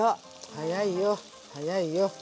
早いよ早いよ。